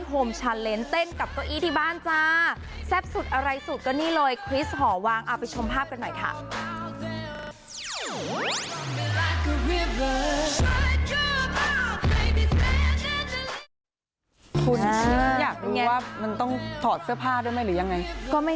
คุณที่อยากรู้ว่ามันต้องถอดเสื้อผ้าด้วยมั้ยหรือยังไง